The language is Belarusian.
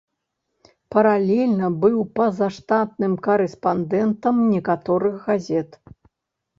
Паралельна быў пазаштатным карэспандэнтам некаторых газет.